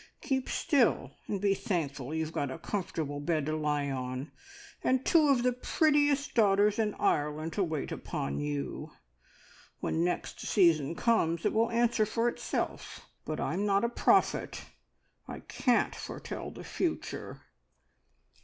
Keep still, and be thankful you've a comfortable bed to lie on and two of the prettiest daughters in Ireland to wait upon you! When next season comes it will answer for itself, but I'm not a prophet I can't foretell the future."